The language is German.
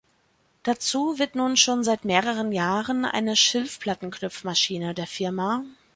Dazu wird nun schon seit mehreren Jahren eine Schilfplatten-Knüpfmaschine der Fa.